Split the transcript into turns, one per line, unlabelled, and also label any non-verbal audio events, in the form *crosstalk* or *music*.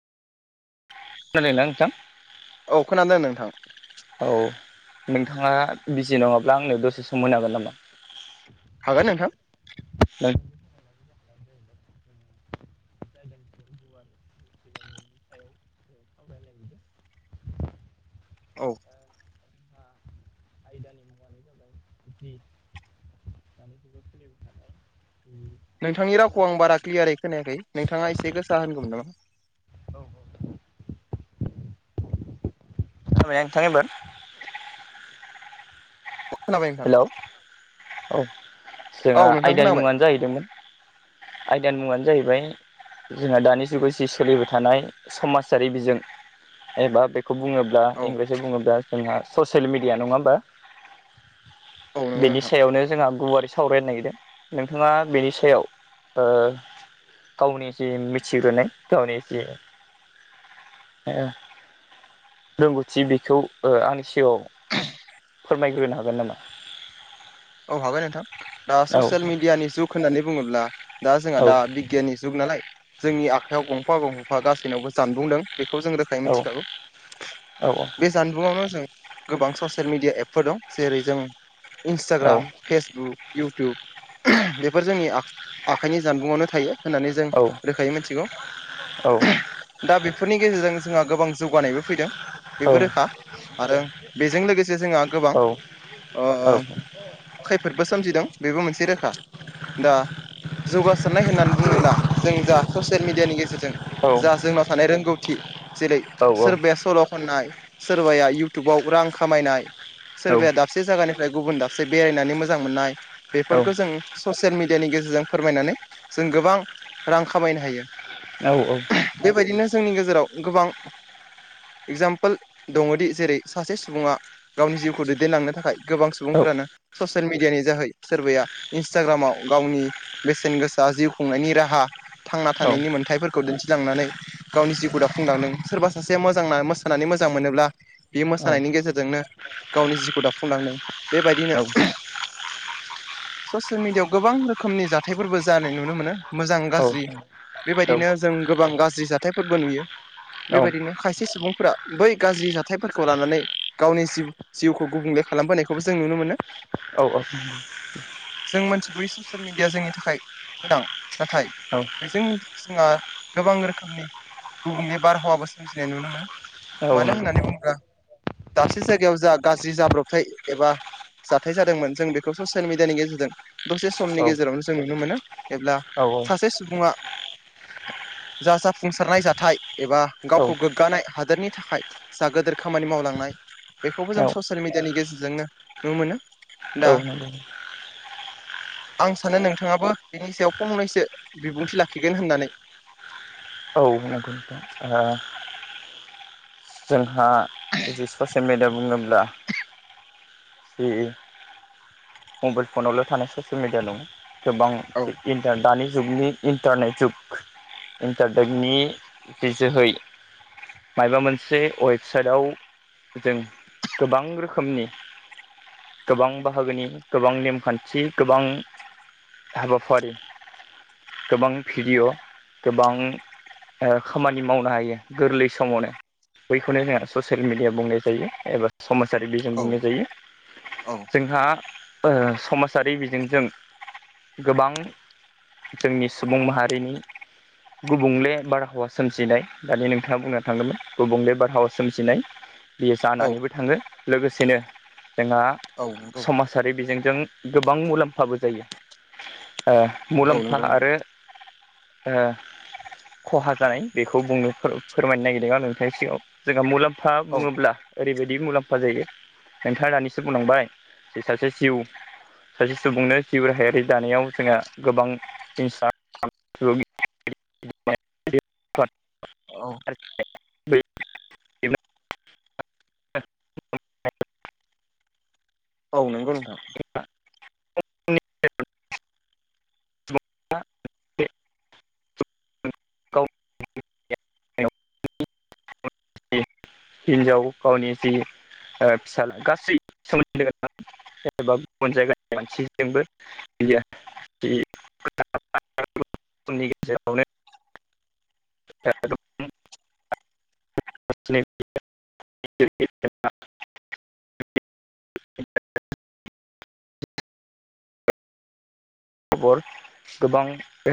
खोनाय ना नोंथां?
औ खोनादों नोंथां।
औ नोंथाङा बिजि नङाब्ला आंनो दसे सम होनो हागोन नामा? *inaudible*
हागोन नोंथां।
*inaudible*
औ।
आयदानि मुङानो जाबाय *unintelligible*
नोंथांनि रावखौ आं बारा क्लियारै खोनायाखै नोंथाङा एसे गोसा होनगौमोन नामा?
औ औ औ। *unintelligible*
खोनाबाय नोंथां
हेल' औ
औ
जोंहा
नोंथां
आयदानि
खोनाबाय
मुङानो जाहैदोंमोन। आयदानि मुङानो जाहैबाय जोंहा दानि जुगाव जि सोलिबाय थानाय समाजारि बिजों एबा बेखौ बुङोब्ला
औ
इंराजआव बुङोब्ला जोंहा ससियेल मिडिया नङा होमबा?
औ नंगौ
बेनि
नोंथां
सायावनो जोंहा गुवारै सावरायनो नागिरदों नोंथाङा बेनि सायाव गावनि एसे मिथिग्रोनाय गावनि एसे ए रोंगौथि बेखौ आंनि सिगाङाव फोरमायग्रोनो हागोन नामा?
औ हाबाय नोंथां दा
औ
ससियेल मिडियानि जुग होननानै बुङोब्ला दा जोंहा
औ
दा बिगियाननि जुग नालाय जोंनि। आखायाव गंफा गंफफा गासैनावबो जानबुंदों बेखौ जों रोखायै
औ
मिथिखागौ
जोंहा
बे जानबुंयावनो जों गोबां ससियेल मिडिया एप फोर दं जेरै जों इन्सटाग्राम फेसबुक इउटुब बेफोर जोंनि आखाइनि जानबुंयावनो थायो। होननानै जों रोखायै मिथिगौ। दा बेफोरनि गेजेरजों जोंहा गोबां जौगानायबो फैदों। बेबो रोखा। आरो बेजों लोगोसे जोंहा गोबां ओ खैफोदबो सोमजिदों बेबो मोनसे रोखा। दा जौगासारनाय होननानै बुङोब्ला जों जा ससेल मिडियानि गेजेरजों जा जोंनाव थानाय रोंगौथि जेरै सोरबाया सल' खननाय, सोरबाया इउटुबाव रां खामायनाय, सोरबाया दा बसे जायगानिफ्राय गुबुन दाबसे बेरायनानै मोजां मोननाय बेफोरखौ जों ससेल मिडियानि गेजेरजों फोरमायनानै जों गोबां रां खामायनो हायो।
औ, औ
बेबायदिनो जोंनि गेजेराव गोबां एगजामपोल दङदि जेरै सासे सुबुङा गावनि जिउखौ दैदेनलांनो थाखाय गोबां सुबुंफ्रानो ससियेल मिडियानि जोहै सोरबाया इन्सटाग्रामाव गावनि बेसेन गोसा जिउ खुंनायनि राहा थांना थानायनि मोन्थायफोरखौ दिन्थिलांनानै गावनि जिउखौ दाफुंलांदों। सोरबा सासेया मोजांना मोसानानै मोजां मोनोब्ला बे मोसानायनि गेजेरजोंनो गावनि जिउखौ दाफुंलांदों। बेबायदि ससियेल मिडियाआव गोबां रोखोमनि जाथायफोरबो जानाय नुनो मोनो। मोजां गाज्रि बेबायदिनो जों गोबां गाज्रि जाथायफोरबो नुयो। बेबायदिनो खायसे सुबुंफोरा बै गाज्रि जाथायफोरखौ लानानै गावनि जिउ जिउखौ गुबुंले खालामबोनायखौबो जों नुनो मोनो।
औ, औ
जों मिथिबै ससियेल मिडिया जोंनि थाखाय गोनां। नाथाय
औ
जों जोंहा गोबां रोखोमनि गुबुंले बारहावाबो सोमजिनाय नुनो मोनो। मानो होननानै बुङोब्ला दाबसे जायगायाव जा गाज्रि जाब्रबथाय एबा जाथाय जादोंमोन जों बेखौ ससेल मिडियानि गेजेरजों दसे समनि गेजेरावनो जों नुनो मोनो। एब्ला सासे सुबुङा जा जाफुंसारनाय जाथाय एबा गावखौ गोग्गानाय हादोरनि थाखाय जा गोदोर खामानि मावलांनाय बेखौबो जों सस सेल मिडियानि गेजेरजोंनो नु मोनो। दा आं सानो नोंथाङाबो बिनि सायाव फंनैसो बिबुंथि लाखिगोन होननानै।
औ नंगौ नंगौ ओ जोंहा जि ससेल मेडया बुङोब्ला जि मबाइल फनावल' थानाय ससेयेल मिडिया नङा। गोबां
औ
इनटा दानि जुगनि इन्टारनेट जुग इन्टारटेटनि जोहै माइबा मोन से वेबसाइटआव जों गोबां रोखोमनि गोबां बाहागोनि गोबां नेमखान्थि गोबां हाबाफारि गोबां भिडिय' गोबां ओ खामानि मावनो हायो गोरलै समावनो। बैखौनो जोंहा ससेल मिडिया बुंनाय जायो एबा समाजारि बिजों
औ
बुंनाय जायो।
औ
जोंहा ओ समासारि बिजोंजों गोबां जोंनि सुबुं माहारिनि गुबुंले बारहावा सोमजिनाय दानि नोंथाङा बुंना थांदोंमोन। गुबुंले बारहाव सोमजिनाय बियो
औ
जानानैबो थाङो। लोगोसेनो जोंहा
औ नंगौ
समाजारि बिजोंजों गोबां मुलाम्फाबो जायो। ओ
औ
मुलाम्फा
नंगौ नोंथां
आरो ओ खहा जानाय बेखौ बुंनो फो फोरमायनो नागिरदों आङो *unintelligible* सिगाङाव जोंहा मुलाम्फा
औ
बुङोब्ला ओरैबायदि मुलाम्फा जायो नोंथाङा दानिसो बुंलांबाय जे सासे जिउ सासे सुबुंनो जिउ राहायारि जानायाव जोंहा गोबां इन्सा *unintelligible*
औ।
*inaudible* *inaudible*
औ नोंगौ नोंथां।
*unintelligible* औ हिनजाव गावनि जि फिसाला गासै *unintelligible* जेनबा गुबुन जायगानि मानसिजोंबो बियो जि। *unintelligible* *unintelligible* खबर गोबां।